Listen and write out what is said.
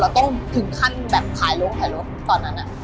เราต้องถึงขั้นแบบขายลงขายลดตอนนั้นอะ